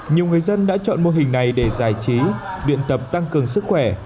nhiều người dân đã chọn mô hình này để giải trí luyện tập tăng cường sức khỏe